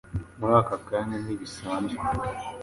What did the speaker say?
muri aka kanya ntibisanzwe.